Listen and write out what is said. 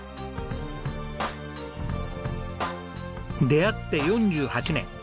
出会って４８年。